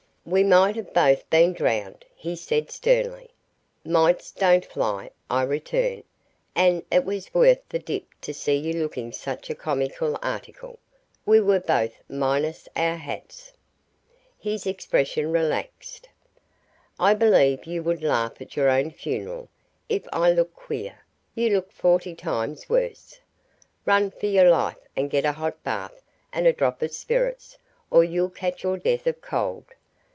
"We might have both been drowned," he said sternly. "Mights don't fly," I returned. "And it was worth the dip to see you looking such a comical article." We were both minus our hats. His expression relaxed. "I believe you would laugh at your own funeral. If I look queer, you look forty times worse. Run for your life and get a hot bath and a drop of spirits or you'll catch your death of cold.